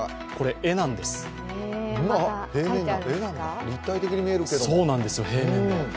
絵なんだ、立体的に見えるけど。